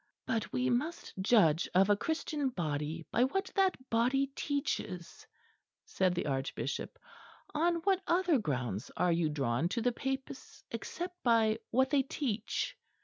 "But we must judge of a Christian body by what that body teaches," said the Archbishop. "On what other grounds are you drawn to the Papists, except by what they teach?"